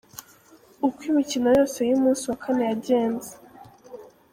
Uko imikino yose y’umunsi wa kane yagenze.